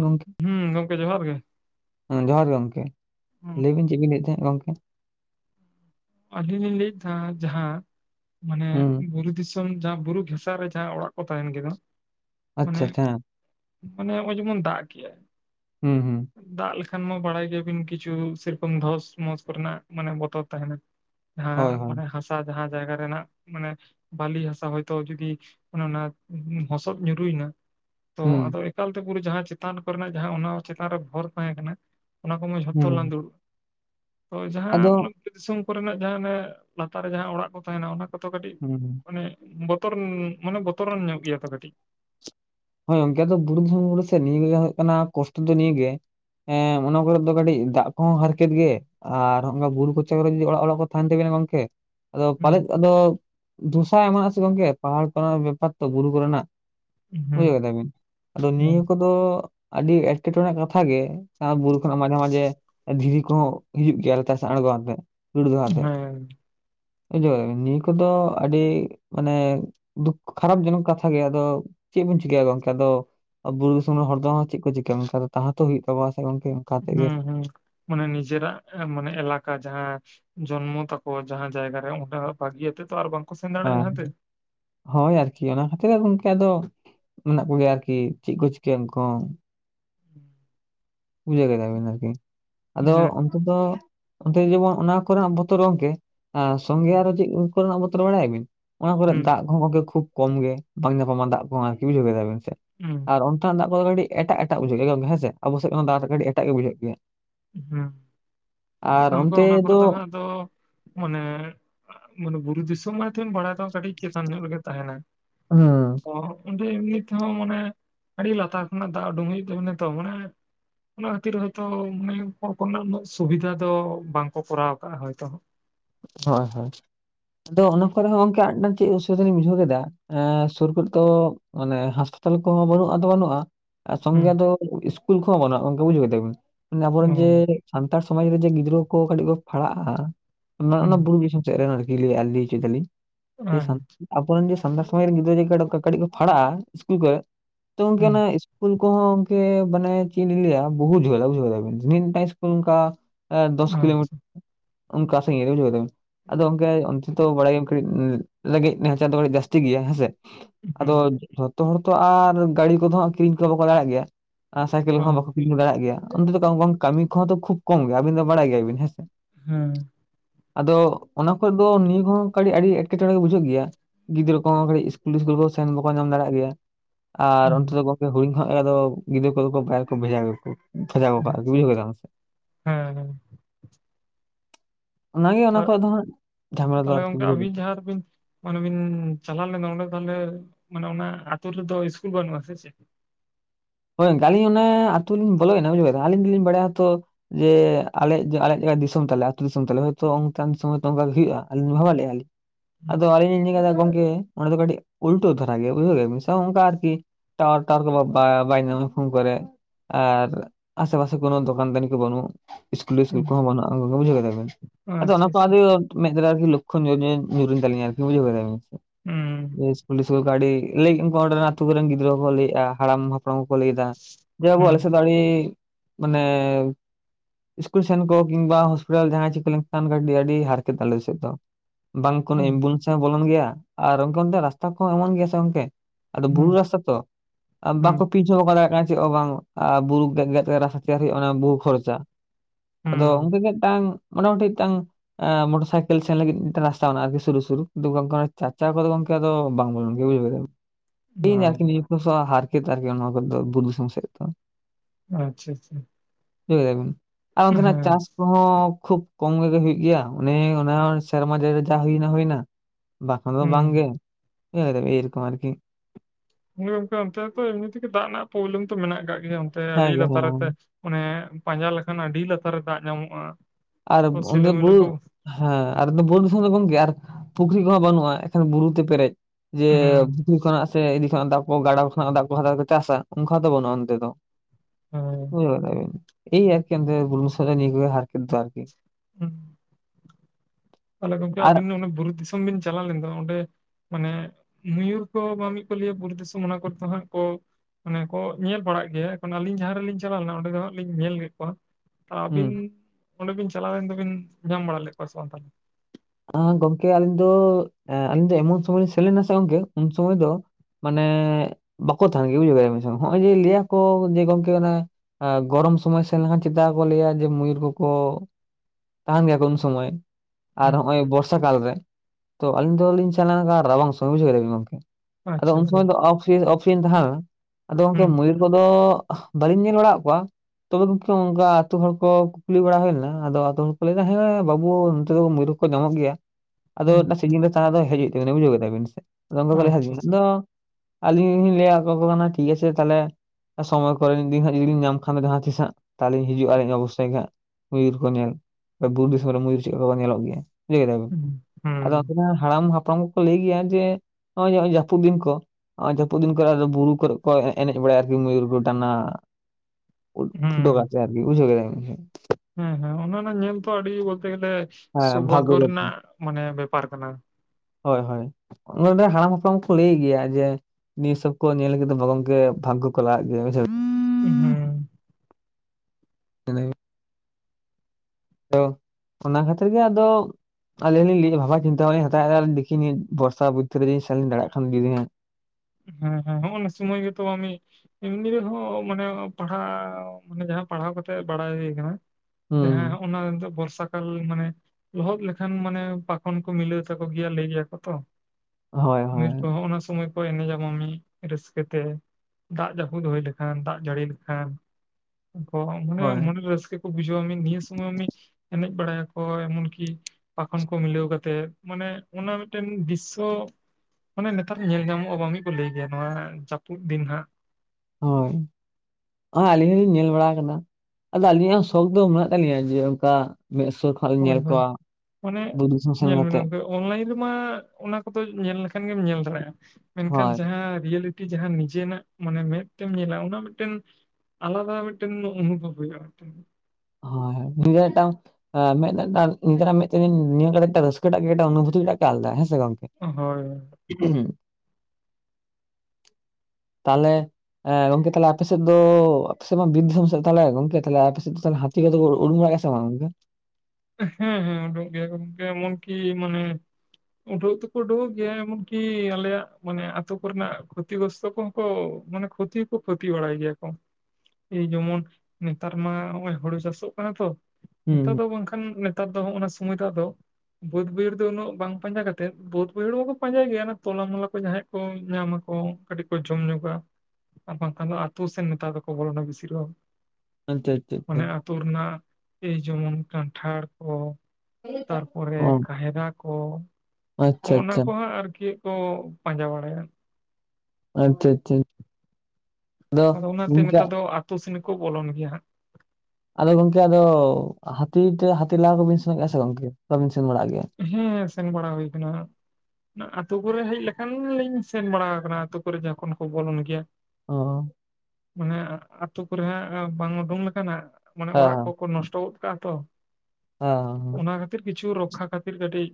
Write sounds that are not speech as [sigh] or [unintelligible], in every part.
ᱜᱚᱝᱠᱮ, ᱦᱩᱸ ᱜᱚᱝᱠᱮ ᱡᱚᱦᱟᱨ ᱜᱮ᱾ ᱦᱚᱸ ᱡᱚᱦᱟᱨ ᱜᱮ ᱜᱚᱝᱠᱮ ᱞᱟᱹᱭ ᱵᱤᱱ ᱪᱮᱫ ᱵᱤᱱ ᱞᱟᱹᱭᱮᱫ ᱛᱟᱦᱮᱸᱫ ᱜᱚᱝᱠᱮ᱾ ᱟᱹᱞᱤᱧ ᱞᱤᱧ ᱞᱟᱹᱭᱮᱫ ᱛᱟᱦᱮᱸ ᱡᱟᱦᱟᱸ ᱢᱟᱱᱮ ᱦᱩᱸ ᱵᱩᱨᱩ ᱫᱤᱥ ᱮᱠᱫᱚᱢ ᱡᱟᱦᱟᱸ ᱵᱩᱨᱩ ᱰᱷᱮᱥᱟ ᱨᱮ ᱡᱟᱦᱟᱸ ᱚᱲᱟᱜ ᱠᱚ ᱛᱟᱦᱮᱱ ᱜᱮᱫᱚ ᱟᱪᱪᱷᱟ ᱢᱟᱱᱮ ᱟᱪᱪᱷᱟ ᱦᱮᱸ ᱢᱟᱱᱮ ᱱᱚᱜᱼᱚᱭ ᱡᱮᱢᱚᱱ ᱫᱟᱜ ᱠᱮᱜᱼᱟᱭ ᱦᱩᱸ ᱦᱩᱸ᱾ ᱫᱟᱜ ᱞᱮᱠᱷᱟᱱ ᱢᱟ ᱵᱟᱲᱟᱭ ᱜᱮᱭᱟ ᱵᱤᱱ ᱠᱤᱪᱷᱩ ᱥᱮᱨᱚᱠᱚᱢ ᱫᱷᱳᱥ ᱢᱳᱸᱥ ᱠᱚ ᱨᱮᱱᱟᱜ ᱢᱟᱱᱮ ᱵᱚᱛᱚᱨ ᱛᱟᱦᱮᱱᱟ᱾ ᱦᱳᱭ ᱡᱟᱦᱟᱸ ᱦᱳᱭ ᱢᱟᱱᱮ ᱦᱟᱥᱟ ᱡᱟᱦᱟᱸ ᱡᱟᱭᱜᱟ ᱨᱮᱱᱟᱜ ᱢᱟᱱᱮ ᱵᱟᱹᱞᱤ ᱦᱟᱥᱟ ᱦᱚᱭᱛᱚ ᱡᱚᱫᱤ ᱚᱱᱮ ᱚᱱᱟ ᱦᱚᱥᱚᱫ ᱧᱩᱨᱩᱭᱮᱱᱟ, ᱛᱚ ᱦᱩᱸ ᱟᱫᱚ ᱮᱠᱟᱞᱛᱮ ᱯᱩᱨᱟ ᱡᱟᱦᱟᱸ ᱪᱮᱛᱟᱱ ᱠᱚᱨᱮᱱᱟᱜ ᱡᱟᱦᱟᱸ ᱚᱱᱟ ᱪᱮᱛᱟᱱ ᱨᱮ ᱵᱷᱚᱨ ᱛᱟᱦᱮᱸ ᱠᱟᱱᱟ, ᱚᱱᱟ ᱠᱚᱢᱟ ᱡᱷᱚᱛᱚ ᱦᱩᱸ ᱞᱟᱸᱫᱩᱲᱚᱜᱼᱟ ᱛᱚ ᱡᱟᱦᱟᱸ ᱟᱫᱚ ᱚᱱᱟ ᱫᱤᱥᱚᱢ ᱠᱚ ᱠᱚᱨᱮᱱᱟᱜ ᱡᱟᱦᱟᱸ ᱚᱱᱮ ᱞᱟᱛᱟᱨ ᱨᱮ ᱡᱟᱦᱟᱸ ᱚᱲᱟᱜ ᱠᱚ ᱛᱟᱦᱮᱱᱟ ᱚᱱᱟ ᱠᱚᱫᱚ ᱠᱟᱹᱴᱤᱡ ᱦᱩᱸ ᱦᱩᱸ, ᱢᱟᱱᱮ ᱵᱚᱛᱚᱨ ᱢᱟᱱᱮ ᱵᱚᱛᱚᱨᱟᱱ ᱧᱚᱜ ᱜᱮᱭᱟᱛᱚ ᱠᱟᱹᱴᱤᱡ, ᱦᱳᱭ ᱜᱚᱝᱠᱮ ᱟᱫᱚ ᱵᱩᱨᱩ ᱫᱤᱥᱚᱢ ᱥᱮ ᱱᱤᱭᱟᱹ ᱜᱮ ᱦᱩᱭᱩᱜ ᱠᱟᱱᱟ ᱠᱚᱥᱴᱚ ᱫᱚ ᱱᱤᱭᱟᱹ ᱜᱮ ᱦᱮᱸ ᱚᱱᱟ ᱠᱚᱨᱮ ᱫᱚ ᱠᱟᱹᱴᱤᱡ ᱫᱟᱜ ᱠᱚᱦᱚᱸ ᱦᱟᱨᱠᱮᱛ ᱜᱮ, ᱟᱨ ᱚᱱᱠᱟ ᱵᱩᱨᱩ ᱠᱚᱪᱟ ᱠᱚᱨᱮ ᱡᱩᱫᱤ ᱚᱲᱟᱜ ᱚᱲᱟᱜ ᱠᱚ ᱛᱟᱦᱮᱱ ᱛᱟᱵᱤᱱᱟ ᱜᱚᱝᱠᱮ, ᱟᱫᱚ ᱯᱟᱞᱮᱫ ᱦᱮᱸ ᱟᱫᱚ ᱫᱷᱚᱥᱟ ᱮᱢᱟᱜ ᱟᱥᱮ ᱜᱚᱝᱠᱮ ᱯᱟᱦᱟᱲ ᱠᱚᱨᱮᱱᱟᱜ ᱵᱮᱯᱟᱨ ᱛᱚ ᱵᱩᱨᱩ ᱠᱚᱨᱮᱱᱟᱜ ᱦᱮᱸ ᱵᱩᱡᱷᱟᱹᱣ ᱠᱮᱫᱟ ᱦᱮᱸ ᱵᱤᱱ ᱟᱫᱚ ᱱᱤᱭᱟᱹ ᱠᱚᱫᱚ ᱟᱹᱰᱤ ᱮᱸᱴᱠᱮᱴᱚᱬᱮ ᱠᱟᱛᱷᱟ ᱜᱮ, ᱵᱩᱨᱩ ᱠᱷᱚᱱᱟᱜ ᱢᱟᱡᱷᱮ ᱢᱟᱡᱷᱮ ᱫᱷᱤᱨᱤ ᱠᱚᱦᱚᱸ ᱦᱤᱡᱩᱜ ᱜᱮᱭᱟ ᱞᱟᱛᱟᱨ ᱥᱮ ᱟᱬᱜᱚ ᱟᱛᱮᱜ, ᱜᱩᱲ ᱫᱟᱹᱣ ᱟᱛᱮᱜ ᱦᱮᱸ ᱵᱩᱡ ᱫᱟᱲᱮᱭᱟᱜ ᱠᱟᱱᱟᱵᱮᱱ ᱱᱤᱭᱟᱹ ᱠᱚᱫᱚ ᱟᱹᱰᱤ ᱢᱟᱱᱮ ᱫᱩᱠ ᱠᱷᱟᱨᱟᱯ ᱡᱚᱱᱚᱠ ᱠᱟᱛᱷᱟ ᱜᱮ ᱟᱫᱚ ᱪᱮᱫ ᱵᱚᱱ ᱪᱤᱠᱟᱹᱭᱟ ᱜᱚᱝᱠᱮ ᱟᱫᱚ ᱵᱩᱨᱩ ᱫᱤᱥᱚᱢ ᱨᱮᱱ ᱦᱚᱲ ᱫᱚ ᱪᱮᱫ ᱠᱚ ᱪᱤᱠᱟᱹᱭᱟ ᱚᱝᱠᱟ ᱫᱚ ᱛᱟᱦᱮᱸᱛᱚ ᱦᱩᱭᱩᱜ ᱛᱟᱵᱚᱣᱟ ᱥᱮ ᱜᱚᱝᱠᱮ, ᱠᱟᱛᱮᱜ ᱜᱮ ᱦᱩᱸ ᱦᱩᱸ ᱢᱟᱱᱮ ᱱᱤᱡᱮᱨᱟᱜ ᱢᱟᱱᱮ ᱮᱞᱟᱠᱟ ᱡᱟᱦᱟᱸ ᱡᱚᱱᱢᱚ ᱛᱟᱠᱚ ᱡᱟᱦᱟᱸ ᱡᱟᱭᱜᱟᱨᱮ ᱚᱸᱰᱮ ᱵᱟᱹᱜᱤ ᱟᱛᱮᱜ ᱛᱚ ᱟᱨ ᱵᱟᱝ ᱦᱟ ᱦᱳᱭ ᱟᱨᱠᱤ ᱚᱱᱟ ᱠᱷᱟᱹᱛᱤᱨ ᱜᱚᱢᱠᱮ ᱟᱫᱚ ᱢᱮᱱᱟᱜ ᱠᱚᱜᱮᱭᱟ ᱟᱨᱠᱤ ᱪᱮᱫ ᱠᱚ ᱪᱤᱠᱟᱹᱭᱟ ᱩᱱᱠᱩ ᱦᱚ, ᱵᱩᱡᱷᱟᱹᱣ ᱠᱮᱫᱟᱵᱤᱱ ᱟᱨᱠᱤ ᱟᱫᱚ ᱦᱮᱸ ᱫᱚ ᱚᱱᱛᱮ ᱡᱮᱢᱚᱱ ᱚᱱᱟ ᱠᱚᱨᱮᱱᱟᱜ ᱵᱚᱛᱚᱨ ᱜᱚᱢᱠᱮ ᱥᱚᱝᱜᱮ ᱟᱨᱚ ᱪᱮᱫ ᱠᱚᱨᱮᱱᱟᱜ ᱵᱚᱛᱚᱨ ᱵᱟᱲᱟᱭᱟ ᱵᱤᱱ ᱚᱱᱟ ᱠᱚᱨᱮ ᱦᱩᱸ ᱫᱟᱜ ᱮ ᱠᱷᱩᱵ ᱠᱚᱢ ᱜᱮ ᱵᱟᱝ ᱧᱟᱯᱟᱢᱟ ᱫᱟᱜ ᱟᱨᱠᱤ ᱵᱩᱡᱷᱟᱹᱣ ᱠᱮᱫ ᱫᱟᱵᱤᱱ ᱥᱮ, ᱦᱩᱸ, ᱟᱨ ᱚᱱᱛᱮᱱᱟᱜ ᱫᱟᱜ ᱠᱚᱫᱚ ᱠᱟᱹᱴᱤᱡ ᱮᱴᱟᱜ ᱮᱴᱟᱜ ᱵᱩᱡᱷᱟᱹᱜ ᱜᱮᱭᱟ ᱜᱚᱝᱠᱮ ᱦᱮᱸᱥᱮ ᱟᱵᱚ ᱥᱮ ᱠᱷᱚᱱ ᱫᱚ ᱫᱟᱜ ᱠᱟᱹᱴᱤᱡ ᱮᱴᱟᱜ ᱜᱮ ᱵᱩᱡᱷᱟᱹᱜ ᱜᱮᱭᱟ, ᱟᱨ ᱦᱮᱸ ᱟᱫᱚ ᱚᱱᱛᱮ ᱚᱱᱟ ᱠᱚᱨᱮ ᱫᱚ ᱦᱟᱸᱜ ᱟᱫᱚ ᱢᱟᱱᱮ ᱵᱩᱨᱩ ᱫᱤᱥᱚᱢ ᱢᱟ ᱫᱚ ᱵᱟᱲᱟᱭ ᱫᱚ ᱠᱟᱹᱴᱤᱡ᱾ ᱪᱮᱛᱟᱱ ᱧᱚᱜ ᱞᱮᱜᱮ ᱛᱟᱦᱮᱱᱟ ᱦᱩᱸ ᱛᱚ᱾ ᱚᱸᱰᱮ ᱮᱢᱱᱤ ᱛᱮᱦᱚᱸ ᱢᱟᱱᱮ ᱟᱹᱰᱤ ᱞᱟᱛᱟᱨ ᱠᱷᱚᱱᱟᱜ ᱫᱟᱜ ᱩᱰᱩᱝ ᱦᱩᱭᱩᱜ ᱛᱟᱵᱤᱱᱟ ᱛᱚ ᱢᱟᱱᱮ᱾ ᱚᱱᱟ ᱠᱷᱟᱹᱛᱤᱨ ᱦᱚᱭᱛᱚ ᱢᱟᱱᱮ ᱩᱱᱟᱹᱜ ᱥᱩᱵᱤᱫᱷᱟ ᱫᱚ ᱵᱟᱝᱠᱚ ᱠᱚᱨᱟᱣ ᱠᱟᱜᱼᱟ ᱦᱚᱭᱛᱚ᱾ ᱦᱳᱭ ᱦᱳᱭ ᱟᱫᱚ ᱚᱱᱟ ᱠᱚᱨᱮ ᱦᱚᱸ ᱜᱚᱢᱠᱮ ᱟᱴᱟᱝ ᱪᱮᱫ ᱚᱥᱩᱵᱤᱫᱷᱟ ᱞᱤᱧ ᱵᱩᱡᱷᱟᱹᱣ ᱠᱮᱫᱟ᱾ ᱮ ᱥᱳᱨ ᱠᱚᱨᱮ ᱛᱚ ᱢᱟᱱᱮ ᱦᱟᱸᱥᱯᱟᱛᱟᱞ ᱠᱚᱦᱚᱸ ᱵᱟᱹᱱᱩᱜᱼᱟ ᱛᱚ ᱵᱟᱹᱱᱩᱜᱼᱟ᱾ ᱦᱩᱸ ᱥᱚᱝᱜᱮ ᱫᱚ ᱤᱥᱠᱩᱞ ᱠᱚᱦᱚᱸ ᱵᱟᱹᱱᱩᱜᱼᱟ ᱵᱩᱡᱷᱟᱹᱣᱛᱟ ᱵᱤᱱ ᱚ ᱟᱵᱚᱨᱮᱱ ᱡᱮ, ᱥᱟᱱᱛᱟᱲ ᱥᱚᱢᱟᱡᱽ ᱨᱮ ᱡᱮ ᱜᱤᱫᱽᱨᱟᱹ ᱠᱚ ᱠᱟᱹᱴᱤᱡ ᱠᱚ ᱯᱷᱟᱲᱟᱜᱼᱟ ᱚᱱᱟ ᱦᱩᱸ ᱵᱩᱨᱩ ᱫᱤᱥᱚᱢ᱾ ᱟᱭ [unintelligible] ᱟᱵᱚᱨᱮᱱ ᱜᱮ ᱥᱟᱱᱛᱟᱲ ᱥᱚᱢᱚᱭ ᱨᱮᱱ ᱜᱤᱫᱽᱨᱟᱹ ᱡᱮ ᱠᱟᱹᱴᱤᱡ ᱠᱚ ᱯᱷᱟᱲᱟᱜᱼᱟ ᱠᱷᱚᱱᱚᱡ ᱛᱚ ᱦᱩᱸ ᱚᱱᱟ ᱤᱥᱠᱩᱞ ᱠᱚᱦᱚᱸ ᱜᱚᱝᱠᱮ ᱢᱟᱱᱮ ᱪᱮᱫ ᱞᱤ ᱞᱤᱭᱟ ᱵᱚᱦᱩᱡᱷᱟᱹᱣ ᱤᱥᱠᱩᱞ ᱚᱱᱠᱟ ᱫᱚᱥ ᱠᱤᱞᱳᱢᱤ ᱟᱪᱪᱷᱟ ᱚᱱᱠᱟ ᱥᱟᱺᱜᱤᱧ ᱨᱮ ᱦᱚᱪᱚ ᱟᱫᱚ ᱜᱚᱢᱠᱮ ᱾ ᱵᱟᱲᱟᱭ ᱠᱟᱹᱴᱤᱡ ᱞᱟᱹᱜᱤᱫ ᱱᱟᱦᱟᱪᱟᱨ ᱫᱚ ᱠᱟᱹᱴᱤᱡ ᱡᱟᱹᱥᱛᱤ ᱜᱮᱭᱟ ᱦᱮᱸᱥᱮ ᱟᱫᱚ᱾ ᱦᱩᱸ ᱡᱚᱛᱚ ᱦᱚᱲ ᱛᱚ ᱟᱨ ᱜᱟᱹᱲᱤ ᱠᱚᱫᱚ ᱠᱤᱨᱤᱧ ᱠᱚ ᱵᱟᱠᱚ ᱫᱟᱲᱮᱜ ᱜᱮᱭᱟ ᱟᱨ ᱥᱟᱭᱠᱮᱞ ᱵᱟᱝ ᱠᱚᱦᱚᱸ ᱵᱟᱠᱚ᱾ ᱫᱟᱲᱮᱜ ᱜᱮᱭᱟ ᱚᱱᱛᱮ ᱫᱚ ᱵᱟᱝ ᱠᱟᱹᱢᱤ ᱠᱚᱦᱚᱸ ᱠᱷᱩᱵ ᱠᱚᱢ ᱜᱮᱭᱟ ᱟᱵᱤᱱ ᱫᱚ ᱵᱟᱲᱟᱭ ᱜᱮᱭᱟ ᱵᱤᱱ ᱦᱮᱸ ᱥᱮ᱾ ᱦᱩᱸ᱾ ᱟᱫᱚ ᱚᱱᱟ ᱠᱷᱚᱱ ᱫᱚ ᱱᱤᱭᱟᱹ ᱠᱚ ᱠᱟᱹᱴᱤᱡ ᱟᱹᱰᱤ ᱮᱴᱠᱮᱴᱚᱲᱮ ᱜᱮ ᱵᱩᱡᱷᱟᱹᱜ ᱜᱮᱭᱟ᱾ ᱜᱤᱫᱽᱨᱟᱹ ᱠᱚᱦᱚ ᱠᱟᱹᱴᱤᱡ ᱤᱥᱠᱩᱞ ᱤᱥᱠᱩᱞ ᱠᱚ ᱵᱟᱠᱚ ᱫᱟᱲᱮᱭᱟᱜ ᱜᱮᱭᱟ᱾ ᱟᱨ ᱚᱱᱛᱮ ᱦᱩᱸ ᱫᱚ ᱜᱚᱝᱠᱮ ᱦᱩᱰᱤᱧ ᱠᱷᱚᱱᱫᱚ ᱜᱤᱫᱽᱨᱟᱹ ᱠᱚᱫᱚ ᱠᱚ ᱵᱟᱭ ᱠᱚ ᱵᱷᱮᱡᱟ ᱜᱮᱠᱚ᱾ ᱯᱷᱚᱡᱟ ᱠᱚ ᱵᱩᱡᱟᱣ ᱛᱟᱢ ᱥᱮ᱾ ᱦᱩᱸ ᱦᱩᱸ᱾ ᱚᱱᱟᱜᱮ ᱚᱱᱟ ᱠᱷᱚᱡ ᱫᱚ ᱦᱟᱸᱜ ᱡᱷᱟᱢᱮᱞᱟ ᱫᱚ ᱛᱟᱦᱚᱞᱮ ᱟᱨᱠᱤ ᱜᱚᱢᱠᱮ ᱵᱩᱡᱷᱟᱹᱣ ᱟᱹᱵᱤᱱ ᱡᱟᱦᱟᱸ ᱨᱮᱵᱤᱱ ᱢᱟᱱᱮ ᱵᱤᱱ ᱪᱟᱞᱟᱣ ᱞᱮᱱᱟ ᱚᱸᱰᱮ ᱛᱟᱦᱚᱞᱮ ᱢᱟᱱᱮ ᱚᱱᱟ ᱟᱛᱳ ᱨᱮᱫᱚ ᱤᱥᱠᱩᱞ ᱵᱟᱹᱱᱩᱜ ᱟᱥᱮ ᱪᱮᱫ? ᱟᱹᱞᱤᱧ ᱚᱱᱟ ᱟ ᱞᱤᱧ ᱵᱚᱞᱚᱭᱮᱱᱟ ᱵᱩᱡᱷᱟᱹᱣ ᱠᱮᱫᱫᱟ ᱟᱹᱞᱤᱧ ᱫᱚᱞᱤᱧ ᱵᱟᱲᱟᱭᱟᱛᱚ᱾ ᱡᱮ ᱟᱞᱮᱮ ᱟᱞᱮ ᱡᱜᱟ ᱫᱤᱥᱚᱢ ᱛᱟᱞᱮ ᱟ ᱟᱹᱛᱩᱳ ᱫᱤᱥᱚᱢ ᱛᱟᱞᱮ ᱦᱳᱭᱛᱳ ᱚᱱᱠᱟᱱ ᱥᱚᱢᱚᱭ ᱛᱚ ᱚᱱᱠᱟᱟᱜ ᱜᱮ ᱦᱩᱭᱩᱜᱼᱟ ᱟᱹᱞᱤᱧ ᱵᱷᱟᱵ ᱞᱮᱫᱼᱟᱤᱧ᱾ ᱦᱩᱸ ᱟᱫᱚ ᱟᱹᱞᱤᱧ ᱤᱫᱤ ᱠᱟᱛᱮ ᱜᱚᱢᱠᱮ᱾ ᱚᱱᱟᱸ ᱫᱚ ᱠᱟᱹᱴᱤᱡ ᱩᱞᱴᱟᱹ ᱫᱷᱟᱨᱟ ᱜᱮ ᱵᱩᱡᱷᱟᱳ ᱥᱮ ᱚᱱᱠᱟ ᱟᱨᱠᱤᱟᱨᱠᱚ ᱵᱟᱵᱟ᱾ ᱵᱟᱭ ᱧᱟᱢᱮ ᱯᱷᱱ ᱠᱚ ᱟᱨ ᱟᱥᱮ ᱯᱟᱥᱮ ᱠᱳᱱ ᱫᱚᱳᱠᱟᱱ ᱫᱟᱱᱤ ᱠᱚ ᱵᱟᱹᱱᱩᱜ᱾ ᱤᱥᱠᱩᱞ ᱤᱥᱠᱩᱞ ᱦᱩᱸ ᱠᱚᱦᱚᱸ ᱵᱟᱹᱱᱩᱜᱼᱟᱮ ᱵᱩᱡᱷᱟᱹᱣ ᱠᱮᱫᱟ ᱵᱮᱱ ᱟᱪᱷᱟ ᱚᱱᱟ ᱟᱪᱪᱷᱟ ᱠᱚ ᱟ᱾ ᱟᱪᱪᱷᱟ ᱢᱮᱥ ᱟᱨᱠᱤ ᱞᱠᱷ ᱱᱩᱨᱤᱱ ᱛᱟᱞᱞᱤᱧ ᱟᱨᱠᱤ ᱵᱩᱡᱟᱳ ᱠᱮᱫᱟᱵᱤᱱ᱾ ᱦᱩᱸ᱾ ᱤᱥᱠᱩᱞ ᱤᱥᱠᱩᱞ ᱠᱟᱹᱣᱰᱤ ᱞᱟᱹᱭᱮᱫ ᱠᱚᱣᱟ ᱚᱸᱰᱮ ᱟᱳ ᱠᱚᱨᱮᱱ ᱜᱤᱫᱽᱨᱟᱹ ᱠᱚ ᱞᱟᱹᱭᱮᱫᱼᱟ ᱦᱟᱲᱟᱢ᱾ ᱟ ᱠᱚ ᱠᱚ ᱞᱟᱭ ᱛᱟᱦᱮᱱ ᱟᱞᱮᱥ ᱦᱩᱸ ᱢᱟᱱᱮ᱾ ᱤᱥᱠᱩᱞ ᱥᱮᱱ ᱠᱚ ᱠᱤᱝᱵᱟ ᱦᱚᱥᱯᱤᱴᱟᱞ ᱡᱟᱦᱟᱸᱭ ᱪᱤᱠᱟᱹ ᱞᱮ ᱜ ᱟᱹᱰᱤ ᱦᱟᱨᱠᱮᱛᱟᱞᱮ ᱥᱮᱮᱫ ᱫᱚ᱾ ᱵᱟᱝ ᱠᱳᱱᱳ ᱦᱩᱸ ᱮᱢᱵᱩᱞᱮᱱᱥ ᱦᱚᱸ ᱵᱚᱞᱚᱱ ᱜᱮᱭᱟ ᱟᱨ ᱚᱱᱠ ᱚᱱᱛᱮ ᱨᱟᱥᱛᱟ ᱠᱚᱦᱚᱸ ᱮᱢᱚᱱ ᱜᱮᱭᱟ ᱥᱮ ᱜᱚᱢᱠᱮ ᱾ ᱟᱫᱚ ᱵᱩᱨᱩ ᱦᱩᱸ ᱨᱟᱥᱛᱟ ᱛᱚ ᱵᱟᱠᱚ ᱦᱩᱸ ᱵ ᱵᱟ ᱫᱟᱲᱮᱭᱟᱜ ᱠᱟᱱᱟ ᱪᱮᱫ ᱵᱟᱝ ᱵᱩᱨᱩ ᱜᱮᱫ ᱠᱟᱛᱮ ᱨᱟᱥᱛᱟ ᱛᱮᱭᱟᱨ ᱦᱩᱭᱩᱜᱼᱟ ᱚᱱᱟ ᱵᱩᱨᱩ ᱠᱷᱚᱨᱪᱟ᱾ ᱟᱫᱚ ᱚᱱᱠᱟ ᱜᱮ ᱦᱩᱸ ᱢᱤᱫᱴᱟᱝ ᱢᱚᱴᱟᱢᱩᱴᱤ ᱢᱤᱫᱴᱟᱝ᱾ ᱢᱚᱴᱚᱨ ᱥᱟᱭᱠᱮᱞ ᱥᱮᱬ ᱞᱟᱜᱤᱫ ᱨᱟᱥᱛᱟ ᱢᱮᱱᱟ ᱟᱨᱠᱤ ᱥᱩᱨᱩ ᱥᱩᱨᱩᱩ ᱪᱟᱨ ᱪᱟᱠᱟ ᱠᱚ᱾ ᱫᱚ ᱵᱟᱝ ᱵᱚᱞᱤ ᱵᱩᱡ᱾ ᱤᱧ ᱚ ᱟᱨᱠᱤ ᱱ ᱦᱟᱨᱠᱮᱛ ᱟᱨᱠᱤ ᱱᱚᱣᱟ ᱠᱚᱫᱚ ᱵᱩᱨᱩ ᱫᱤᱥᱚᱢ ᱥᱮᱫ ᱫᱚ᱾ ᱟᱪᱷᱟ ᱟᱪᱷᱟ᱾ ᱵᱩᱡᱷᱟᱹ ᱠᱮᱫᱟ ᱟᱨ ᱚᱱᱛᱮ ᱱᱟᱜ ᱪᱟᱥ᱾ ᱠᱚᱦᱚᱸ ᱠᱷᱩᱵ ᱠᱚᱢ ᱜᱮᱜᱮ ᱦᱩᱭᱩᱜ ᱜᱮᱭᱟ ᱚᱱᱮ ᱚᱱᱟ ᱥᱮᱨᱢᱟ ᱡᱟᱹᱲ ᱨᱮ ᱡᱟ ᱦᱩᱭᱱᱟ ᱦᱩᱭᱱᱟ᱾ ᱵᱟᱠᱷᱟᱱ ᱫᱚ ᱦᱩᱸ ᱵᱟᱝᱜᱮ ᱮᱭ ᱨᱚᱠᱚᱢ ᱟᱨᱠᱤ᱾ ᱦᱮᱸ ᱜᱚᱝᱠᱮ ᱚᱱᱛᱮᱚ ᱮᱢᱱᱤ ᱛᱮᱜᱮ ᱫᱟᱜ ᱨᱮᱱᱟᱜ ᱯᱨᱚᱵᱞᱮᱢ ᱛᱚ ᱢᱮᱱᱟᱜ ᱠᱟᱜ ᱜᱮᱭᱟ ᱚᱱᱛᱮ ᱟᱹᱰᱤ ᱦᱮᱸᱜᱮ ᱦᱮᱸ ᱞᱟᱛᱟᱨᱛᱮ, ᱚᱱᱮ ᱯᱟᱸᱡᱟ ᱞᱮᱠᱷᱟᱱ ᱟᱹᱰᱤ ᱞᱟᱛᱟᱨ ᱨᱮ ᱫᱟᱜ ᱧᱟᱢᱚᱜᱼᱟ᱾ ᱟᱨ ᱛᱚ ᱚᱰᱮ ᱥᱮᱞᱳᱢᱮᱞᱳ ᱵᱩᱨᱩ ᱠᱚ ᱦᱮᱸ ᱟᱨ ᱵᱩᱨᱩ ᱫᱤᱥᱚᱡ ᱜᱚᱝᱠᱮ ᱟᱨ ᱯᱩᱠᱷᱨᱤ ᱠᱚᱦᱚᱸ ᱵᱟᱹᱱᱩᱜᱼᱟ ᱮᱱᱠᱷᱟᱱ ᱵᱩᱨᱩ ᱛᱮ ᱯᱮᱨᱮᱡ᱾ ᱡᱮ ᱦᱮᱸ [unintelligible] ᱠᱷᱚᱱᱟᱜ ᱥᱮ ᱤᱫᱤ ᱠᱷᱚᱱᱟᱜ ᱫᱟᱜ ᱜᱟᱰᱟ ᱠᱷᱚᱱᱟᱜ ᱫᱟᱜ ᱠᱚ ᱠᱚ ᱪᱟᱥᱟ ᱚᱱᱠᱟ ᱫᱚ ᱵᱟᱹᱱᱩᱜᱼᱟ ᱚᱱᱛᱮ ᱫᱚ, ᱦᱳᱭ ᱦᱳᱭ ᱮᱤ ᱟᱨᱠᱤ ᱚᱱᱛᱮ ᱵᱩᱨᱩ ᱫᱤᱥᱚᱢ ᱦᱟᱨᱠᱮᱛ ᱫᱚ ᱟᱨᱠᱤ, ᱦᱩᱸ, ᱛᱟᱦᱚᱞᱮ ᱜᱚᱢᱠᱮ ᱟᱨ ᱟᱵᱤᱱ ᱵᱩᱨᱩ ᱫᱤᱥᱚᱢ ᱵᱤᱱ ᱪᱟᱞᱟᱣ ᱞᱮᱱᱫᱚ ᱚᱸᱰᱮ ᱢᱟᱱᱮ ᱢᱚᱭᱩᱨ ᱠᱚ ᱵᱟᱝ ᱢᱤᱫ ᱠᱚ ᱞᱟᱹᱭᱟ ᱵᱩᱨᱩ ᱫᱤᱥᱚᱢ ᱚᱱᱟ ᱠᱚᱨᱮ ᱫᱚ ᱦᱟᱸᱜ ᱠᱚ ᱢᱟᱱᱮ ᱠᱚ ᱧᱮᱞ ᱵᱟᱲᱟᱜ ᱜᱮᱭᱟ ᱮᱠᱷᱚᱱ ᱟᱹᱞᱤᱧ ᱡᱟᱦᱟᱸ ᱨᱮᱞᱤᱧ ᱪᱟᱞᱟᱣ ᱞᱮᱱᱟ ᱚᱸᱰᱮ ᱫᱚ ᱦᱟᱸᱜ ᱞᱤᱧ ᱧᱮᱞ ᱠᱮᱫ ᱠᱚᱣᱟ, ᱦᱩᱸ ᱟᱹᱵᱤᱱ ᱚᱸᱰᱮ ᱵᱤᱱ ᱪᱟᱞᱟᱣ ᱞᱮᱱ ᱫᱚᱵᱤᱱ ᱧᱟᱢ ᱵᱟᱲᱟ ᱞᱮᱫ ᱠᱚᱣᱟ ᱥᱮ ᱵᱟᱝ ᱛᱟᱦᱚᱞᱮ? ᱦᱮᱸ ᱜᱚᱝᱠᱮ ᱟᱹᱞᱤᱧ ᱫᱚ ᱟᱹᱞᱤᱧ ᱫᱚ ᱮᱢᱚᱱ ᱥᱚᱢᱚᱭ ᱞᱤᱧ ᱥᱮᱱ ᱞᱮᱱᱟ ᱥᱮ ᱜᱚᱝᱠᱮ ᱩᱱ ᱥᱚᱢᱚᱭ ᱫᱚ ᱢᱟᱱᱮ ᱵᱟᱠᱚ ᱛᱟᱦᱮᱸᱱ ᱜᱮ ᱵᱩᱡᱷᱟᱹᱣ ᱵᱩᱡᱷᱟ ᱠᱮᱫᱟᱵᱤᱱ ᱥᱮ, ᱱᱚᱜᱼᱚᱭ ᱡᱮ ᱞᱟᱹᱭᱟᱠᱚ ᱡᱮ ᱜᱚᱝᱠᱮ ᱚᱱᱟ ᱮ ᱜᱚᱨᱚᱢ ᱥᱚᱢᱚᱭ ᱥᱮᱱ ᱞᱮᱱᱠᱷᱟᱱ ᱪᱮᱫᱟᱜᱮᱠᱚ ᱞᱟᱹᱭᱟ ᱡᱮ ᱢᱚᱭᱩᱨ ᱠᱚᱠᱚ ᱛᱟᱦᱮᱼᱱ ᱜᱮᱭᱟ ᱠᱚ ᱩᱱ ᱥᱚᱢᱚᱭ ᱟᱨ ᱦᱮᱸ ᱱᱚᱜ ᱚᱭ ᱵᱚᱨᱥᱟ ᱠᱟᱞ ᱨᱮ, ᱛᱚ ᱟᱹᱞᱤᱧ ᱫᱚᱞᱤᱧ ᱪᱟᱞᱟᱣ ᱠᱟᱱᱟ ᱨᱟᱵᱟᱝ ᱥᱚᱢᱚᱭ ᱨᱮ ᱵᱩᱡᱷᱟᱹᱣ ᱫᱮᱵ ᱜᱚᱝᱠᱮ, ᱟᱫᱚ ᱟᱪᱪᱷᱟ ᱩᱱ ᱟᱪᱪᱷᱟ ᱥᱚᱢᱚᱭ ᱫᱚ ᱚᱯᱷ ᱥᱤᱡᱤᱱ ᱚᱯᱷ ᱥᱤᱡᱤᱱ ᱛᱟᱦᱮᱸᱞᱮᱱᱟ᱾ ᱟᱫᱚ ᱜᱚᱝᱠᱮ ᱦᱩᱸ ᱢᱚᱭᱩᱨ ᱠᱚᱫᱚ ᱵᱟᱹᱞᱤᱧ ᱧᱮᱞ ᱵᱟᱲᱫ ᱟᱠᱟᱫ ᱠᱚᱣᱟ, ᱛᱚᱵᱮ ᱜᱚᱝᱠᱮ ᱚᱱᱠᱟ ᱟᱹᱛᱩ ᱦᱚᱲ ᱠᱚ ᱠᱩᱠᱞᱤ ᱵᱟᱲᱟ ᱦᱩᱭ ᱞᱮᱱᱟ ᱟᱫᱚ ᱡᱚᱛ ᱦᱚᱲ ᱠᱚ ᱞᱟᱹᱭᱫᱟ ᱦᱮᱸ ᱵᱟᱹᱵᱩ ᱱᱚᱛᱮ ᱫᱚ ᱢᱤᱨᱦᱩᱨ ᱠᱚᱠᱚ ᱧᱟᱢᱚᱜ ᱜᱮᱭᱟ ᱟᱫᱚ ᱦᱩᱸ ᱱᱟᱮᱱᱟᱜ ᱥᱟᱹᱜᱤᱧ ᱛᱟᱦᱮᱱ ᱫᱚ ᱦᱮᱢ ᱦᱩᱭᱩᱜ ᱛᱟᱵᱤᱱᱟ ᱵᱩᱡᱟᱹᱣᱟᱵᱤᱱ ᱥᱮ ᱟᱪᱪᱷᱟ [unintelligible] ᱟᱪᱪᱷᱟ ᱫᱚ ᱟᱹᱞᱤᱧ ᱦᱚᱞᱤᱧ ᱞᱟᱹᱭᱟ ᱟᱠᱚ ᱦᱚᱠᱚ ᱠᱟᱱᱟ ᱴᱷᱤᱠ ᱟᱪᱷᱮ ᱛᱟᱦᱚᱞᱮ, ᱥᱚᱢᱚᱭ ᱠᱚ ᱟᱨ ᱫᱤᱱ ᱦᱟᱸᱜ ᱡᱩᱫᱤᱞᱤᱧ ᱧᱟᱢ ᱠᱷᱟᱱ ᱫᱚ ᱡᱟᱦᱟᱸ ᱛᱤᱥ ᱦᱟᱸᱜ ᱛᱟᱦᱚᱞᱮᱧ ᱦᱤᱡᱩᱜᱼᱟ ᱟᱨᱧ ᱚᱵᱚᱥᱛᱟᱭ ᱦᱟᱸᱜ᱾ ᱢᱩᱭᱩᱨ ᱠᱚ ᱧᱮᱞ, ᱵᱩᱨᱩ ᱫᱤᱥᱚᱢ ᱨᱮ ᱢᱚᱭᱩᱨ ᱪᱮᱫ ᱞᱮᱠᱟ ᱠᱚ ᱧᱮᱞᱚᱜ ᱜᱮᱭᱟ ᱵᱩᱡᱟᱹᱣ ᱠᱮᱫᱟᱵᱤᱱ᱾ ᱦᱩᱸ ᱟᱫᱚ ᱚᱱᱛᱮ ᱦᱩᱸ ᱦᱟᱸᱜ ᱦᱟᱲᱟᱢ ᱦᱟᱯᱲᱟᱢ ᱠᱚ ᱞᱟᱹᱭ ᱜᱮᱭᱟ ᱡᱮ ᱱᱚᱜᱼᱚᱭ ᱱᱚᱜᱚᱭ ᱡᱟᱹᱯᱩᱫ ᱫᱤᱱ ᱠᱚ ᱱᱚᱜ ᱚᱭ ᱡᱟᱹᱯᱩᱫᱤᱱ ᱠᱚᱨᱮ ᱵᱩᱨᱩ ᱠᱚᱨᱮ ᱠᱚ ᱮᱱᱮᱡ ᱵᱟᱲᱟᱭᱟ ᱟᱨᱠᱤ, ᱢᱚᱭᱩᱨ ᱠᱚ ᱰᱟᱱᱟ ᱩᱰᱟᱹᱣ ᱦᱩᱸ ᱠᱟᱛᱮ ᱟᱨᱠᱤ ᱵᱩᱡᱷᱟᱹᱣ ᱠᱮᱫᱟᱵᱤᱱ ᱥᱮ? ᱦᱮᱸ, ᱦᱮᱸ, ᱚᱱᱮ ᱚᱱᱟ ᱧᱮᱞ ᱛᱚ ᱟᱹᱰᱤ ᱵᱚᱞᱛᱮ ᱜᱮᱞᱮ ᱵᱷᱟᱜᱚ ᱥᱳᱵᱷᱟᱜᱜᱚ ᱨᱮ ᱨᱮᱱᱟᱜ ᱢᱟᱱᱮ ᱵᱮᱯᱟᱨ ᱠᱟᱱᱟ᱾ ᱦᱳᱭ, ᱦᱳᱭ, ᱱᱚᱰᱮ ᱦᱟᱲᱟᱢ ᱦᱟᱯᱲᱟᱢ ᱠᱚ ᱞᱟᱹᱭ ᱜᱮᱭᱟ ᱡᱮ ᱱᱤᱭᱟᱹ ᱥᱚᱵ ᱠᱚ ᱧᱮᱞ ᱞᱟᱹᱜᱤᱫ ᱫᱚ ᱜᱚᱝᱠᱮ ᱵᱷᱟᱜ ᱠᱚ ᱠᱚᱨᱟᱣ ᱮᱫ ᱜᱮ ᱵᱩᱡᱷᱟᱹᱣ, ᱦᱩᱸ, ᱢ [unintelligible] ᱛᱚ ᱚᱱᱟ ᱠᱷᱟᱹᱛᱤᱨ ᱜᱮ ᱟᱫᱚ ᱟᱞᱤᱧ ᱦᱚᱸᱞᱤᱧ ᱞᱟᱹᱭᱮᱫᱟᱭ ᱵᱷᱟᱵ ᱪᱤᱱᱛᱷᱟᱤᱧ ᱦᱟᱛᱟᱣᱮᱫᱟ ᱫᱮᱠᱷᱤ ᱵᱚᱨᱥᱟ ᱢᱚᱫᱫᱷᱮ ᱨᱮ ᱡᱩᱫᱤ ᱥᱮᱱ ᱞᱤᱧ ᱞᱤ ᱫᱟᱲᱭᱟᱜ ᱠᱷᱟᱱ ᱡᱩᱤ ᱦᱟᱸᱜ, ᱦᱮᱸ, ᱦᱮᱸ, ᱦᱚᱜ ᱚᱱᱟ ᱥᱚᱢᱚᱭ ᱜᱮᱛᱚ ᱢᱟ ᱢᱤᱫ ᱮᱢᱱᱤ ᱨᱮᱦᱚᱸ ᱢᱟᱱᱮ ᱯᱟᱲᱦᱟᱣ ᱢᱟᱱᱮ ᱡᱟᱦᱟᱸ ᱯᱟᱲᱦᱟᱣ ᱠᱟᱛᱮᱜ ᱵᱟᱲᱟᱭ ᱦᱩᱭ ᱠᱟᱱᱟ, ᱦᱩᱸ ᱡᱟᱦᱟᱸ ᱦᱚᱸ ᱜ ᱚᱱᱟ ᱢᱟᱱᱮ ᱵᱚᱨᱥᱟ ᱠᱟᱞ ᱢᱟᱱᱮ ᱞᱚᱦᱚᱫ ᱞᱮᱠᱷᱟᱱ ᱢᱟᱱᱮ ᱯᱟᱠᱷᱚᱱ ᱠᱚ ᱢᱤᱞᱟᱹᱣ ᱛᱟᱠᱚ ᱞᱟᱹᱭ ᱛᱟᱠᱚ ᱜᱮᱭᱟ ᱞᱟᱹᱭ ᱛᱟᱠᱚ ᱜᱮᱭᱟᱠᱚ ᱛᱚ᱾ ᱦᱳᱭ, ᱦᱳᱭ, ᱠᱚᱦᱚᱸ ᱚᱱᱟ ᱥᱚᱢᱚᱭ ᱠᱚ ᱮᱱᱮᱡᱟᱢᱟ ᱢᱤᱫ ᱨᱟᱹᱥᱠᱟᱹ ᱛᱮ, ᱫᱟᱜ ᱡᱟᱹᱯᱩᱫ ᱦᱩᱭ ᱞᱮᱠᱷᱟᱱ ᱫᱟᱜ ᱡᱟᱹᱲᱤ ᱞᱮᱠᱷᱟᱱ ᱠᱚ ᱢᱟᱱᱮ ᱦᱳᱭ ᱢᱚᱱᱮ ᱨᱮ ᱨᱟᱹᱥᱠᱟᱹ ᱠᱚ ᱵᱩᱡᱷᱟᱹᱣ-ᱟ ᱱᱤᱭᱟᱹ ᱥᱚᱢᱚᱭ ᱢᱟ ᱮᱱᱮᱡ ᱵᱟᱲᱟᱭᱟ ᱠᱚ ᱨᱢᱚᱱ ᱠᱤ ᱯᱟᱠᱷᱚᱱ ᱠᱚ ᱢᱤᱞᱟᱹᱣ ᱠᱟᱛᱮᱫ ᱢᱟᱱᱮ ᱚᱱᱟ ᱢᱤᱫᱴᱮᱱ ᱫᱨᱤᱥᱥᱚ ᱢᱟᱱᱮ ᱱᱮᱛᱟᱨ ᱧᱮᱞ ᱧᱟᱢᱚᱜ ᱵᱟᱝ ᱢᱤᱫ ᱠᱚ ᱞᱟᱹᱭ ᱜᱮᱭᱟ ᱱᱚᱣᱟ ᱡᱟᱹᱯᱩᱫ ᱫᱤᱱ ᱦᱟᱸᱜ, ᱦᱳᱭ, ᱱᱚᱜᱚᱭ ᱟᱹᱞᱤᱧ ᱦᱚᱸ ᱞᱤᱧ ᱧᱮᱞ ᱵᱟᱲᱟ ᱠᱟᱱᱟ᱾ ᱟᱫᱚ ᱟᱹᱞᱤᱧᱟᱜ ᱦᱚᱸ ᱥᱚᱠ ᱫᱚ ᱢᱮᱱᱟᱜ ᱛᱟᱹᱞᱤᱧᱟ ᱡᱮ ᱚᱝᱠᱟ ᱢᱮᱫ ᱥᱳᱨ ᱠᱚ ᱦᱳᱭ ᱦᱳᱭ ᱚᱱᱮ ᱥᱮᱱ ᱧᱮᱞᱵᱤᱱ ᱠᱟᱛᱮᱜ ᱜᱚᱝᱠᱮ ᱚᱱᱞᱟᱭᱤᱱ ᱨᱮᱢᱟ ᱚᱱᱟ ᱠᱚᱫᱚ ᱧᱮᱞ ᱞᱮᱠᱷᱟᱱ ᱜᱮᱢ ᱧᱮᱞ ᱫᱟᱲᱮᱜ-ᱟ, ᱢᱮᱱᱠᱷᱟᱱ ᱦᱳᱭ ᱡᱟᱦᱟᱸ ᱨᱤᱭᱮᱞᱤ ᱠᱤ ᱡᱟᱦᱟᱸ ᱱᱤᱡᱮᱱᱟᱜ ᱢᱟᱱᱮ ᱢᱮᱫ ᱛᱮᱢ ᱧᱮᱞᱟ ᱚᱱᱟ ᱢᱮᱫᱴᱮᱱ ᱟᱞᱟᱫᱟ ᱢᱮᱫᱴᱮᱱ ᱩᱱᱩ ᱵᱷᱚᱵ ᱦᱩᱭᱩᱜ-ᱟ ᱢᱤᱫᱴᱮᱱ᱾ ᱦᱳᱭ [unintelligible] [unintelligible] ᱱᱤᱡᱮᱨᱟᱜ ᱢᱮᱫ [unintelligible] ᱨᱟᱹᱥᱠᱟᱹ ᱴᱟᱜ ᱜᱮ ᱮᱴᱟᱜ ᱩᱱᱩᱵᱷᱩᱛᱤ ᱴᱟᱜ ᱜᱮ ᱟᱞᱫᱟ ᱦᱮᱸ ᱥᱮ ᱜᱚᱝᱠᱮ᱾ ᱦᱳᱭ᱾ [inaudible] [inaudible] ᱛᱟᱞᱦᱮ ᱮᱸ ᱜᱚᱝᱠᱮ ᱛᱟᱞᱦᱮ ᱟᱯᱮ ᱥᱮᱫ ᱫᱚ ᱟᱯᱮ ᱥᱮᱫ ᱢᱟ ᱵᱤᱨ ᱫᱤᱥᱚᱢ ᱥᱮᱫ ᱛᱟᱞᱦᱮ ᱜᱚᱝᱠᱮ ᱛᱟᱞᱦᱮ ᱟᱯᱮ ᱥᱮᱫ ᱫᱚ ᱛᱟᱞᱦᱮ ᱦᱟ ᱛᱤ ᱠᱚᱫᱚᱠᱚ ᱩᱰᱩᱜ ᱵᱟᱲᱟ ᱜᱮᱭᱟ ᱥᱮ ᱵᱟᱝ ᱜᱚᱝᱠᱮ? ᱦᱩᱸ ᱦᱩᱸ ᱩᱰᱩᱠᱚᱜ ᱜᱮᱭᱟᱠᱚ ᱜᱚᱝᱠᱮ ᱮᱢᱚᱱ ᱠᱤ ᱢᱟᱱᱮ ᱩᱰᱩᱜ ᱫᱚᱠᱚ ᱩᱰᱩᱠᱚᱜ ᱜᱮᱭᱟ ᱮᱢᱚᱱ ᱠᱤ ᱟᱞᱮᱭᱟᱜ ᱢᱟᱱᱮ ᱟᱛᱳ ᱠᱚᱨᱮᱱᱟᱜ ᱠᱷᱚᱛᱤ ᱜᱨᱚᱥᱛᱚ ᱠᱚ ᱠᱚ ᱢᱟᱱᱮ ᱠᱷᱚᱛᱤ ᱦᱚᱸᱠᱚ ᱠᱷᱚᱛᱤ ᱵᱟᱲᱟᱭ ᱜᱮᱭᱟ ᱠᱚ᱾ ᱮᱭ ᱡᱚᱢᱚᱱ ᱱᱮᱛᱟᱨ ᱢᱟ ᱦᱚᱸᱜᱚᱭ ᱦᱳᱲᱳ ᱪᱟᱥᱚᱜ ᱠᱟᱱᱟ ᱛᱚ, ᱱᱮᱛᱟᱨ ᱦᱩᱸ ᱫᱚ ᱵᱟᱝ ᱠᱷᱟ ᱠᱷᱟᱱ ᱱᱮᱛᱟᱨ ᱫᱚ ᱦᱚᱜᱚᱱᱟ ᱥᱳᱢᱳᱭ ᱫᱚ ᱟᱫᱚ ᱵᱟᱹᱫᱽ ᱵᱟᱹᱭᱦᱟᱹᱲ ᱫᱚ ᱩᱱᱟᱹᱜ ᱵᱟᱝ ᱯᱟᱸᱡᱟ ᱠᱟᱛᱮᱫ ᱵᱟᱹᱫᱽ ᱵᱟᱹᱭᱦᱟᱹᱲ ᱢᱟᱠᱚ ᱯᱟᱸᱡᱟᱭᱮᱫ ᱜᱮ ᱚᱱᱟ ᱛᱚᱞᱟ ᱢᱟᱞᱟ ᱠᱚ ᱡᱟᱦᱟᱸᱭᱟᱜ ᱠᱚ ᱧᱟᱢᱟᱠᱚ ᱠᱟᱹᱴᱤᱡ ᱠᱚ ᱡᱚᱢ ᱧᱚᱜᱟ᱾ ᱟᱨ ᱵᱟᱝ ᱠᱷᱟᱱ ᱫᱚ ᱟᱛᱳ ᱥᱮ ᱱᱮᱛᱟᱨ ᱫᱚ ᱠᱚ ᱵᱚᱞᱚᱱᱟ ᱵᱤᱥᱤᱨ ᱵᱷᱟᱠ᱾ [unintelligible] ᱛᱳ ᱨᱮᱱᱟᱜ ᱮᱭ ᱡᱚᱢᱚᱱ ᱠᱟᱱᱴᱷᱟᱲ ᱠᱚ, ᱛᱟᱨᱯᱚᱨᱮ ᱟᱪᱪᱷᱟ ᱚ ᱠᱟᱭᱨᱟ ᱠᱚᱸ ᱟᱪᱪᱷᱟ ᱦᱚᱜᱚᱱᱟ ᱟᱪᱪᱷᱟ ᱠᱚ ᱦᱟᱸᱜ ᱟᱨᱠᱤ ᱠᱚ ᱯᱟᱸᱡᱟ ᱵᱟᱲᱟᱭ-ᱟ᱾ ᱟᱪᱪᱷᱟ ᱟᱪᱪᱷᱟ᱾ ᱟᱫᱚ ᱚᱱᱟᱛᱮ ᱱᱮᱛᱟᱨ ᱫᱚ ᱟᱛᱳ ᱥᱮᱱ ᱠᱚ ᱵᱚᱞᱚᱱ ᱜᱮᱭᱟ ᱦᱟᱸᱜ᱾ ᱟᱫᱚ ᱜᱚᱝᱠᱮ ᱟᱫᱚ ᱦᱟᱹᱛᱤ ᱛᱮ ᱦᱟᱹᱛᱤ ᱞᱟᱦᱟ ᱠᱚᱵᱤᱱ ᱥᱮᱱᱚᱜ ᱜᱮᱭᱟ ᱥᱮ ᱜᱚᱝᱠᱮ, ᱵᱟᱵᱤᱱ ᱥᱮᱱ ᱵᱟᱲᱟᱜ ᱜᱮᱭᱟ? ᱦᱮᱸ ᱥᱮᱱ ᱵᱟᱲᱟ ᱦᱳᱭ ᱠᱟᱱᱟ᱾ ᱱᱟᱜ ᱟᱛᱳ ᱠᱚᱨᱮ ᱦᱮᱡ ᱞᱮᱠᱷᱟᱱ ᱞᱤᱧ ᱥᱮᱱ ᱵᱟᱲᱟ ᱠᱟᱱᱟ, ᱟᱛᱳ ᱠᱚᱨᱮ ᱡᱟᱠᱷᱚᱱ ᱠᱚ ᱵᱚᱞᱚᱱ ᱜᱮᱭᱟ᱾ ᱚ ᱢᱟᱱᱮ ᱟᱛᱳ ᱠᱚᱨᱮ ᱦᱟᱸᱜ ᱵᱟᱝ ᱳᱰᱳᱝ ᱞᱮᱠᱟᱱ ᱦᱟᱸᱜ, ᱢᱟᱱᱮ ᱦᱮᱸ ᱚᱲᱟᱜ ᱠᱚᱠᱚ ᱱᱚᱥᱴᱚ ᱜᱚᱫ ᱠᱟᱜᱟ ᱛᱚ᱾ [inaudible] ᱛᱤᱨ ᱠᱤᱪᱷᱩ ᱨᱚᱠᱠᱷᱟ ᱠᱷᱟᱹᱛᱤᱨ ᱠᱟᱹᱴᱤᱡ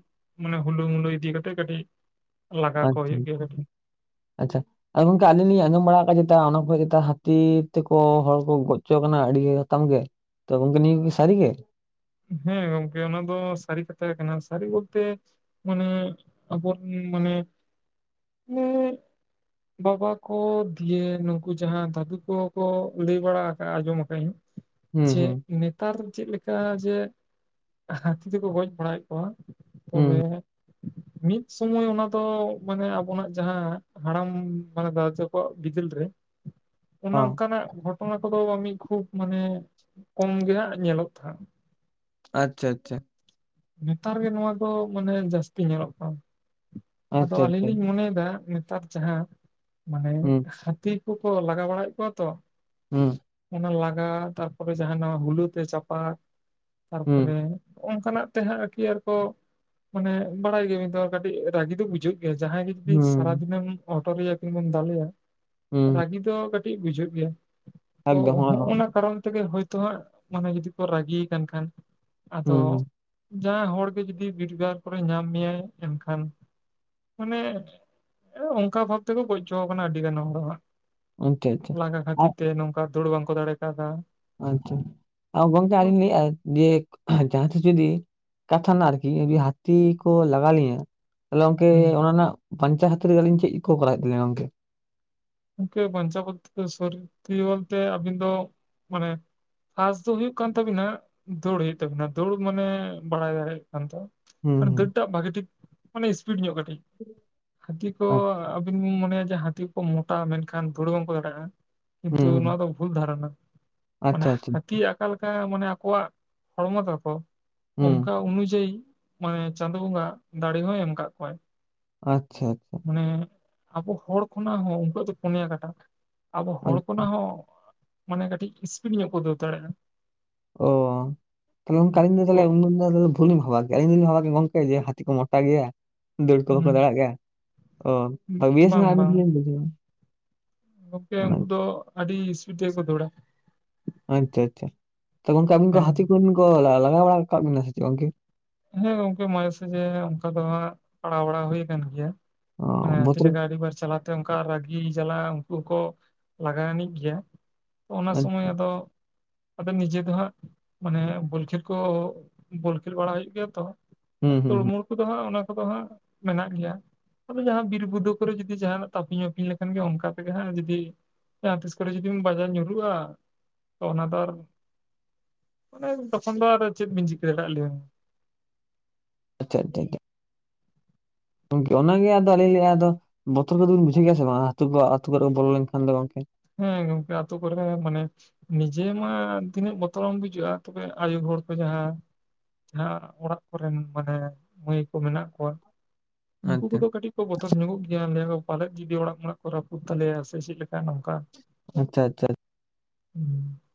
ᱢᱟᱱᱮ ᱦᱩᱞᱩ ᱢᱩᱞᱩᱭ ᱤᱫᱤ ᱠᱟᱛᱮᱜ ᱠᱟᱹᱴᱤᱡ ᱞᱟᱜᱟ ᱠᱚ ᱟᱪᱪᱷᱟ ᱦᱩᱭᱩᱜ ᱜᱮᱭᱟ ᱠᱟᱹᱴᱤᱡ ᱟᱪᱪᱷᱟ ᱟᱪᱪᱷᱟ᱾ ᱟᱨ ᱜᱚᱝᱠᱮ ᱟᱹᱞᱤᱧ ᱞᱤᱧ ᱟᱸᱡᱚᱢ ᱵᱟᱲᱟ ᱠᱟᱜᱟ [unintelligible] ᱚᱱᱟ ᱠᱚᱨᱮᱜ ᱪᱮᱛᱟ ᱦᱟᱹᱛᱤ ᱛᱮᱠᱚ ᱦᱚᱲ ᱠᱚ ᱜᱚᱡ ᱪᱚ ᱠᱟᱱᱟ ᱟᱹᱰᱤ ᱟᱛᱟᱢ ᱜᱮ᱾ ᱛᱚ ᱜᱚᱝᱠᱮ ᱱᱤᱭᱟᱹ ᱠᱚᱠᱤ ᱥᱟᱹᱨᱤ ᱜᱮ? ᱦᱮᱸ ᱜᱚᱝᱠᱮ ᱚᱱᱟ ᱫᱚ ᱥᱟᱹᱨᱤ ᱠᱟᱛᱷᱟ ᱜᱮ ᱠᱟᱱᱟ, ᱥᱟᱹᱨᱤ ᱵᱳᱞᱛᱮ ᱢᱟᱱᱮ ᱟᱵᱚᱨᱮᱱ ᱢᱟᱱᱮ [unintelligible] ᱵᱟᱵᱟ ᱠᱚ ᱫᱤᱭᱮ ᱱᱩᱝᱠᱩ ᱡᱟᱦᱟᱸ ᱫᱟᱹᱫᱩ ᱠᱚ ᱠᱚ ᱞᱟᱹᱭ ᱵᱟᱲᱟ ᱠᱟᱜᱟ ᱟᱸᱡᱚᱢ ᱟᱠᱟᱜᱤᱧ᱾ ᱦᱩᱸ ᱡᱮ ᱦᱩᱸ ᱱᱮᱛᱟᱨ ᱪᱮᱫ ᱞᱮᱠᱟ ᱡᱮ ᱦᱟᱹᱛᱤ ᱛᱮᱠᱚ ᱜᱚᱡ ᱵᱟᱲᱟᱭᱮᱫ ᱠᱚᱣᱟ ᱦᱩᱸ ᱛᱚᱵᱮ ᱦᱩᱸ ᱢᱤᱫ ᱥᱳᱢᱳᱭ ᱚᱱᱟ ᱫᱚ ᱢᱟᱱᱮ ᱟᱵᱚᱱᱟᱜ ᱡᱟᱦᱟᱸ ᱦᱟᱲᱟᱢ ᱦᱩᱸ ᱢᱟᱱᱮ ᱫᱟᱫᱩ ᱛᱟᱠᱚᱣᱟᱜ ᱵᱤᱫᱟᱹᱞ ᱨᱮ ᱚᱱᱮ ᱚ ᱚᱝᱠᱟᱱᱟᱜ ᱜᱷᱚᱴ ᱚᱱᱟ ᱠᱚᱫᱚ ᱵᱟᱝ ᱢᱤᱡ ᱠᱷᱩᱵ ᱢᱟᱱᱮ ᱠᱚᱢ ᱜᱮ ᱦᱟᱸᱜ ᱧᱮᱞᱚᱜ ᱛᱟᱦᱮᱫ᱾ ᱟᱪᱪᱷᱟ ᱟᱪᱪᱷᱟ᱾ ᱱᱮᱛᱟᱨ ᱜᱮ ᱱᱚᱣᱟ ᱫᱚ ᱢᱟᱱᱮ ᱡᱟᱹᱥᱛᱤ ᱧᱮᱞᱚᱜ ᱠᱟᱱ᱾ ᱟᱫᱚ ᱟᱹᱞᱤᱧ ᱞᱤᱧ ᱢᱚᱱᱮᱭᱮᱫᱟ ᱱᱮᱛᱟᱨ ᱡᱟᱦᱟᱸ ᱢᱟᱱᱮ ᱦᱟᱹᱛᱤ ᱠᱚ ᱠᱚ ᱞᱟᱜᱟ ᱵᱟᱲᱟᱭᱮᱜ ᱠᱚᱣᱟ ᱛᱚ ᱦᱩᱸ᱾ ᱚᱱᱟ ᱞᱟᱜᱟ, ᱛᱟᱨᱯᱚᱨᱮ ᱡᱟᱦᱟ ᱱᱟᱣᱟ ᱦᱩᱞᱟᱹ ᱛᱮ ᱪᱟᱯᱟᱫ, ᱛᱟᱨᱯᱚᱨᱮ ᱦᱚᱜᱚᱝᱠᱟ ᱛᱮ ᱦᱟᱸᱜ ᱟᱨᱠᱤ ᱟᱨᱠᱚ ᱢᱟᱱᱮ ᱵᱟᱲᱟᱭ ᱜᱮᱭᱟᱵᱤᱱ ᱛᱚ ᱟᱨ ᱠᱟᱹᱴᱤᱡ ᱨᱟᱹᱜᱤ ᱫᱚ ᱵᱩᱡᱷᱟᱹᱜ ᱜᱮᱭᱟ ᱡᱟᱦᱟᱸᱭ ᱜᱮ ᱯᱤ ᱥᱟᱨᱟᱫᱤᱱᱮᱢ ᱦᱚᱴᱚᱨᱮᱭᱟ ᱠᱤᱢᱵᱟᱢ ᱫᱟᱞᱮᱭᱟ ᱨᱟᱹᱜᱤ ᱫᱚ ᱠᱟᱹᱴ ᱴᱤᱡ ᱵᱩᱡᱷᱟᱹᱜ ᱜᱮᱭᱟ, ᱛᱚ ᱦᱚᱸᱜᱚᱱᱟ ᱠᱟᱨᱚᱱ ᱛᱮᱜᱮ ᱦᱳᱭ ᱛᱚ ᱦᱟᱸᱜ ᱢᱟᱱᱮ ᱡᱩᱫᱤ ᱠᱚ ᱨᱟᱹᱜᱤ ᱭᱟᱠᱟᱱ ᱠᱷᱟᱱ ᱟᱫᱚ ᱡᱟᱦᱟᱸ ᱦᱚᱲᱜᱮ ᱡᱩᱫᱤ ᱵᱤᱰᱜᱟᱨ ᱠᱚᱨᱮ ᱧᱟᱢ ᱢᱮᱭᱟᱭ ᱮᱱᱠᱷᱟᱱ ᱢᱟᱱᱮ, ᱚᱝᱠᱟ ᱵᱷᱟᱵ ᱛᱮᱠᱚ ᱜᱚᱡ ᱪᱚ ᱟᱠᱟᱱᱟ ᱟᱹᱰᱤ ᱜᱟᱱ ᱦᱚᱲ ᱦᱚ ᱦᱟᱸᱜ᱾ ᱞᱟᱸᱜᱟ ᱠᱷᱟᱹᱛᱤᱨ ᱛᱮ ᱱᱚᱝᱠᱟ ᱫᱟᱹᱲ ᱵᱟᱝᱠᱚ ᱫᱟᱲᱮ ᱠᱟᱣᱫᱟ᱾ ᱟᱪᱪᱷᱟ, ᱟ ᱜᱚᱝᱠᱮ ᱟᱨᱤᱧ ᱞᱟᱹᱭᱮᱜ-ᱟ ᱡᱮ ᱡᱟᱦᱟᱸ ᱛᱤᱥ ᱡᱩᱫᱤ ᱠᱟᱛᱷᱟ ᱨᱮᱱᱟᱜ ᱟᱨᱠᱤ ᱡᱩᱫᱤ ᱦᱟᱹᱛᱤ ᱠᱚ ᱞᱟᱜᱟ ᱞᱮᱭᱟ᱾ ᱛᱟᱦᱚᱞᱮ ᱜᱚᱝᱠᱮ ᱦᱩᱸ ᱚᱱᱟ ᱨᱮᱱᱟᱜ ᱯᱟᱧᱪᱟ ᱦᱟᱹᱛᱤᱨ ᱜᱮ ᱟᱹᱞᱤᱧ ᱪᱮᱜ ᱠᱚ ᱠᱚᱨᱟᱣ ᱦᱳᱭᱳᱜ ᱛᱟᱹᱞᱤᱧᱟ ᱜᱚᱝᱠᱮ? ᱜᱚᱝᱠᱮ ᱵᱟᱧᱪᱟᱣ ᱠᱚᱨᱛᱮ ᱥᱚᱨᱛᱤ ᱵᱚᱞᱛᱮ ᱟᱵᱤᱱ ᱫᱚ ᱢᱟᱱᱮ ᱯᱦᱟᱥ ᱫᱚ ᱦᱩᱭᱩᱜ ᱠᱟᱱ ᱛᱟᱵᱤᱱᱟ ᱫᱳᱲᱮ ᱦᱩᱭᱩᱜ ᱛᱟᱵᱩᱱᱟ᱾ ᱫᱳᱲ ᱢᱟᱱᱮ ᱵᱟᱲᱟᱭ ᱫᱟᱲᱮᱭᱟᱜ ᱠᱷᱟᱱ ᱛᱚ ᱢᱟᱱᱮ ᱫᱟᱹᱲ ᱴᱟᱜ ᱵᱷᱟᱜᱮ ᱴᱷᱤᱠ ᱢᱟᱱᱮ ᱤᱥᱯᱤᱴ ᱧᱚᱜ ᱠᱟᱹᱴᱤᱡ, ᱦᱟᱹᱛᱤ ᱠᱚ ᱟᱹᱵᱤᱱ ᱵᱤᱱ ᱢᱚᱱᱮᱭᱟ ᱡᱮ ᱦᱟᱹᱛᱤ ᱠᱚᱢ ᱴᱟ ᱢᱮᱱᱠᱷᱟᱱ ᱫᱷᱩᱲᱟᱹ ᱵᱟᱝᱠᱚ ᱫᱟᱲᱮᱭᱟᱜ-ᱟ, ᱠᱤᱱᱛᱩ ᱱᱚᱣᱟ ᱫᱚ ᱵᱷᱩᱞ ᱫᱷᱟᱨᱚᱱᱟ᱾ ᱢᱟᱱᱮ ᱦᱟᱹᱛᱤᱭᱟᱜ ᱚᱠᱟᱞᱮᱠᱟ ᱢᱟᱱᱮ ᱟᱠᱚᱣᱟᱜ ᱦᱚᱲᱢᱚ ᱛᱟᱠᱚ ᱚᱱᱠᱟ ᱚᱱᱩᱡᱟᱭᱤ ᱢᱟᱱᱮ ᱪᱟᱸᱫᱳ ᱵᱚᱸᱜᱟ ᱫᱟᱲᱮ ᱦᱚᱸᱭ ᱮᱢ ᱠᱟᱜ ᱠᱚᱣᱟᱭ᱾ ᱟᱪᱪᱷᱟ᱾ ᱢᱟᱱᱮ ᱟᱵᱚ ᱦᱚᱲ ᱠᱷᱚᱱᱟᱜ ᱦᱚᱸ ᱩᱱᱠᱩᱣᱟᱜ ᱫᱚ ᱯᱚᱱᱭᱟ ᱠᱟᱴᱟ ᱟᱵᱚ ᱦᱚᱲ ᱠᱦᱚᱱᱟᱜ ᱦᱚᱸ ᱢᱟᱱᱮ ᱠᱟᱹᱴᱤᱡ ᱤᱥᱯᱤᱴ ᱧᱚᱜ ᱠᱚ ᱫᱟᱹᱲ ᱫᱟᱲᱮᱜ-ᱟ᱾ ᱚᱻ ᱛᱟᱦᱚᱞᱮ ᱜᱚᱝᱠᱮ ᱟᱹᱞᱤᱧ ᱫᱚ ᱛᱚ ᱛᱟᱦᱚᱞᱮ ᱩᱱ [unintelligible] ᱵᱷᱩᱞᱤᱧ ᱵᱷᱟᱵᱟ ᱠᱮᱭᱟ ᱜᱚᱝᱠᱮ ᱡᱮ ᱦᱟᱹᱛᱤ ᱠᱚ ᱢᱚᱴᱟ ᱜᱮᱭᱟ ᱫᱟᱹᱲ ᱠᱚ ᱵᱟᱠᱚ ᱫᱟᱲᱮᱭᱟᱜ ᱜᱮᱭᱟ ᱵᱟᱝ ᱵᱟᱝ ᱚ [unintelligible] ᱜᱚᱝᱠᱮ ᱚᱱᱟ ᱩᱱᱠᱩ ᱫᱚ ᱟᱹᱰᱤ ᱤᱥᱯᱤᱰ ᱛᱮᱜᱮ ᱠᱚ ᱫᱟᱹᱲᱟ᱾ ᱟᱪᱪᱷᱟ ᱟᱪᱪᱷᱟ, ᱛᱚ ᱜᱚᱝᱠᱮ ᱟᱵᱤᱱ ᱠᱚ ᱦᱮᱸ ᱦᱟᱹᱛᱤ ᱠᱚ ᱟᱹᱵᱤᱱ ᱠᱚ ᱞᱟ-ᱞᱟᱜᱟ ᱵᱟᱲᱟ ᱠᱟᱜ ᱵᱤᱱᱟᱹ ᱥᱮ ᱪᱮᱫ ᱜᱚᱝᱠᱮ? ᱦᱮᱸ ᱜᱚᱝᱠᱮ ᱢᱟᱡᱮ ᱥᱟᱡᱷᱮ ᱚᱱᱠᱟ ᱫᱚ ᱦᱟᱸᱜ ᱯᱟᱲᱟᱣ ᱵᱟᱲᱟ ᱦᱩᱭ ᱟᱠᱟᱱ ᱜᱮᱭᱟ᱾ ᱚ ᱢᱟᱱᱮ ᱦᱟᱹᱛᱤ ᱵᱚᱛᱚᱨ ᱞᱟᱜᱟ ᱟᱹᱰᱤᱵᱟᱨ ᱪᱟᱞᱟᱣᱛᱮ ᱚᱱᱠᱟ ᱨᱟᱹᱜᱤ ᱡᱟᱞᱟ ᱩᱱᱠᱩ ᱠᱚ ᱞᱟᱜᱟ ᱟᱱᱤᱡ ᱜᱮᱭᱟ᱾ ᱚᱱᱟ ᱥᱚᱢᱚᱭ ᱟᱪᱪᱷᱟ, ᱟᱫᱚ ᱟᱫᱚ ᱱᱤᱡᱮ ᱫᱚᱦᱟᱸᱜ ᱢᱟᱱᱮ ᱵᱚᱞ ᱠᱷᱮᱞ ᱠᱚ ᱵᱚᱞ ᱠᱷᱮᱞ ᱵᱟᱲᱟ ᱦᱩᱭᱩᱜ ᱜᱮᱭᱟ ᱛᱚ᱾ ᱦᱩᱸ ᱦᱩᱸ ᱛᱳᱲ ᱦᱩᱸ ᱢᱳᱲ ᱠᱚᱫᱚ ᱦᱟᱸᱜ ᱚᱱᱟ ᱠᱚᱫᱚ ᱦᱟᱸᱜ ᱢᱮᱱᱟᱜ ᱜᱮᱭᱟ᱾ ᱛᱮ ᱡᱟᱦᱟᱸ ᱵᱤᱨ ᱵᱩᱫᱟᱹᱣ ᱠᱚᱨᱮ ᱡᱩᱫᱤ ᱡᱟᱦᱟᱱᱟᱜ ᱛᱟᱯᱤᱧ ᱢᱟᱹᱯᱤᱝ ᱞᱮᱠᱷᱟᱱ ᱜᱮ ᱚᱱᱠᱟ ᱛᱮᱜᱮ ᱦᱟᱸᱜ ᱡᱩᱫᱤ ᱡᱟᱦᱟ ᱛᱤᱥ ᱠᱚᱨᱮ ᱡᱩᱫᱤᱢ ᱵᱟᱡᱟᱣ ᱧᱩᱨᱩᱜ-ᱟ ᱚᱱᱟ ᱫᱚ ᱟᱨ ᱚᱱᱮ ᱛᱚᱠᱷᱚᱱ ᱫᱚ ᱟᱨ ᱪᱮᱜ ᱵᱤᱱ ᱪᱤᱠᱟᱹ ᱟᱠᱟᱫ ᱞᱮᱭᱟ? ᱟᱪᱪᱷᱟ ᱟᱪᱪᱷᱟ ᱟᱪᱪᱷᱟ᱾ ᱜᱚᱝᱠᱮ ᱚᱱᱟ ᱜᱮ ᱟᱫᱚ ᱟᱞᱤᱧ ᱞᱤᱧ ᱞᱟᱹᱭ-ᱟ ᱟᱫᱚ ᱵᱚᱛᱚᱨ ᱠᱚᱫᱚᱞᱤᱱ ᱵᱩᱡᱷᱟᱹᱣ ᱜᱮᱭᱟ ᱥᱮ ᱵᱟᱝ ᱦᱟᱛᱤ ᱠᱚ ᱟᱹᱛᱩ ᱠᱚᱫᱚ ᱠᱚ ᱵᱚᱞᱚ ᱞᱮᱱᱠᱷᱟᱱ ᱫᱚ ᱜᱚᱝᱠᱮ? ᱦᱮᱸ ᱜᱚᱝᱠᱮ ᱟᱹᱛᱩ ᱠᱚᱨᱮ ᱫᱚ ᱢᱟᱱᱮ ᱱᱤᱡᱮ ᱢᱟ ᱛᱤᱱᱟᱹᱜ ᱵᱚᱛᱚᱨᱮᱢ ᱵᱩᱡᱷᱟᱣ-ᱟ ᱛᱚᱵᱮ ᱟᱭᱩ ᱦᱚᱲ ᱠᱚ ᱡᱟᱦᱟᱸ ᱡᱟᱦᱟᱸ ᱚᱲᱟᱜ ᱠᱚᱨᱮᱱ ᱢᱟᱱᱮ ᱢᱟᱹᱭ ᱠᱚ ᱢᱮᱱᱟᱜ ᱠᱚᱣᱟ ᱩᱱᱠᱩ ᱟᱪᱪᱷᱟ ᱠᱚᱫᱚ ᱠᱟᱹᱴᱤᱡ ᱠᱚ ᱵᱚᱛᱚᱨ ᱧᱚᱜᱚᱜ ᱜᱮᱭᱟ ᱞᱟᱹᱭ ᱦᱳᱠ᱾ ᱯᱟᱞᱮᱜ ᱡᱩᱫᱤ ᱚᱲᱟᱜ ᱢᱚᱲᱟᱜ ᱠᱚ ᱨᱟᱹᱯᱩᱫ ᱛᱟᱞᱮᱭᱟ ᱥᱮ ᱥᱤᱜ ᱞᱮᱠᱟ ᱱᱚᱝᱠᱟ᱾ ᱟᱪᱪᱷᱟ ᱟᱪᱪᱷᱟ᱾ ᱦᱩᱸ ᱾